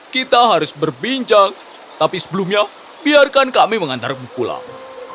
kita harus berbincang tapi sebelumnya biarkan kami mengantarmu pulang